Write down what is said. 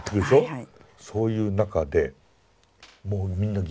はい。